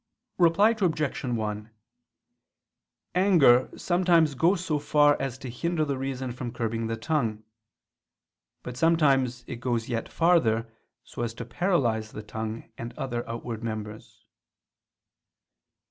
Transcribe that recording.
Reply Obj. 1: Anger sometimes goes so far as to hinder the reason from curbing the tongue: but sometimes it goes yet farther, so as to paralyze the tongue and other outward members.